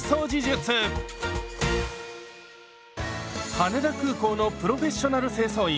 羽田空港のプロフェッショナル清掃員